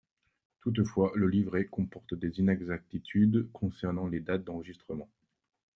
Toutefois le livret comporte des inexactitudes concernant les dates d'enregistrement.